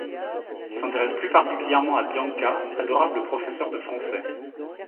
Il s'intéresse plus particulièrement à Bianca, adorable professeur de français.